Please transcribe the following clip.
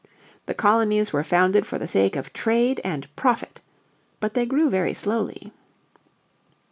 The colonies were founded for the sake of trade and profit. But they grew very slowly.